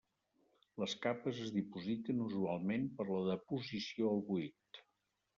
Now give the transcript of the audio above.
Les capes es dipositen usualment per la deposició al buit.